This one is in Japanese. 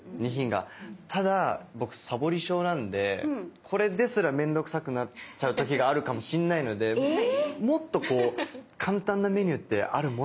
ただ僕サボり症なんでこれですら面倒くさくなっちゃう時があるかもしんないのでもっと簡単なメニューってあるもんなんですか？